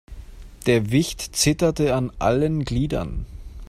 Der Wicht zitterte an allen Gliedern.